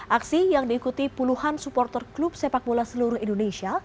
aksi yang diikuti puluhan supporter klub sepak bola seluruh indonesia